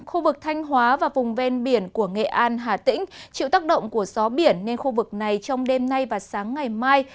khu vực thanh hóa và vùng ven biển của nghệ an hà tĩnh chịu tác động của gió biển nên khu vực này trong đêm nay và sáng ngày mai